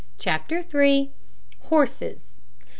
CHAPTER THREE. HORSES.